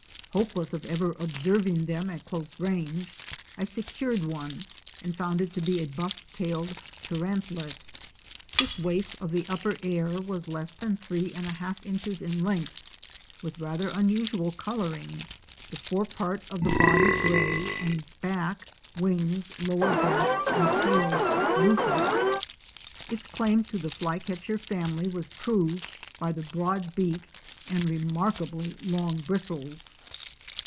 Hopeless of ever observing them at closer range, I secured one and found it to be a Buff tailed Tyrantlet.'"" This waif of the upper air was less than three and a half inches in length with rather unusual coloring, the fore part of the body gray, the back, wings, lower breast and tail rufous. Its claim to the Flycatcher family was proved by the broad beak and remarkably long bristles.